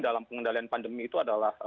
dalam pengendalian pandemi itu adalah